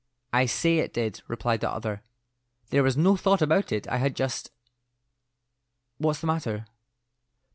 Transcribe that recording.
"I say it did," replied the other. "There was no thought about it; I had just— What's the matter?"